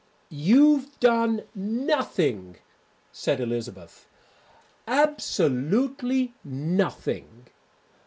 "You've done nothing," said Elizabeth, "absolutely nothing."